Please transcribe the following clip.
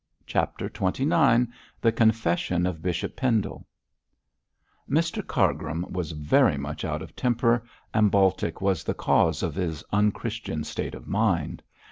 CHAPTER XXIX THE CONFESSION OF BISHOP PENDLE Mr Cargrim was very much out of temper, and Baltic was the cause of his unchristian state of mind.